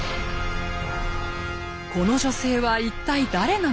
この女性は一体誰なのか？